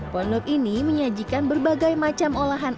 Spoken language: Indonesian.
pondok ini menyajikan pilihan pilihan pilihan